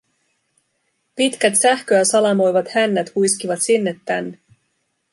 Pitkät sähköä salamoivat hännät huiskivat sinne tänne.